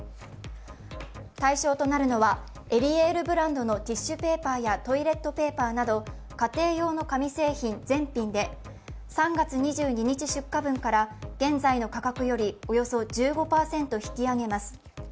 対象となるのはエリエールブランドのティッシュペーパーやトイレットペーパーなど、家庭用紙製品全品で、３月２２日出荷分から現在の価格よりおよそ１５％引き上げます。